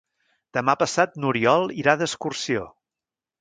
Demà passat n'Oriol irà d'excursió.